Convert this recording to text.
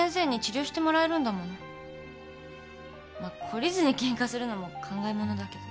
まあ懲りずにケンカするのも考えものだけど。